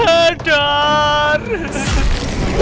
aduh aduh aduh